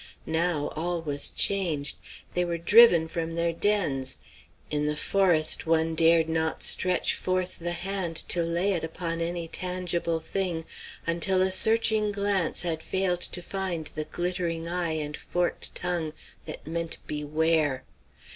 Now all was changed. They were driven from their dens. In the forest one dared not stretch forth the hand to lay it upon any tangible thing until a searching glance had failed to find the glittering eye and forked tongue that meant "Beware!"